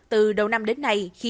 từ đầu năm đến nay